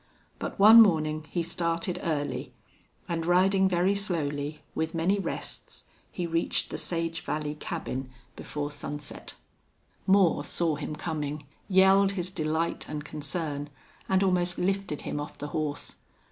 But one morning he started early, and, riding very slowly, with many rests, he reached the Sage Valley cabin before sunset. Moore saw him coming, yelled his delight and concern, and almost lifted him off the horse.